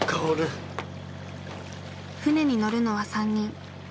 船に乗るのは３人。